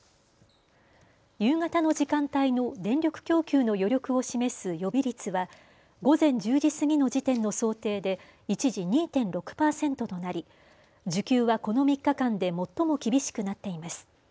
夕方の時間帯の電力供給の余力を示す予備率は午前１０時過ぎの時点の想定で一時２．６％となり需給はこの３日間で最も厳しくなっています。